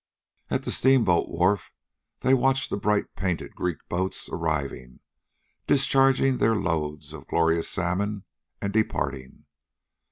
At the steamboat wharf, they watched the bright painted Greek boats arriving, discharging their loads of glorious salmon, and departing.